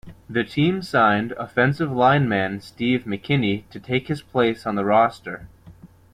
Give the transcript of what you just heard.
The team signed offensive lineman Steve McKinney to take his place on the roster.